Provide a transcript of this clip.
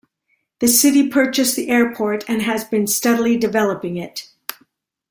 The city purchased the airport and has been steadily developing it.